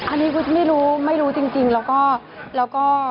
อันนี้กูไม่รู้ไม่รู้จริงแล้วก็